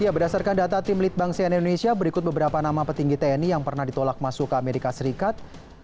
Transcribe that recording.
berdasarkan data tim litbang sian indonesia berikut beberapa nama petinggi tni yang pernah ditolak masuk ke amerika serikat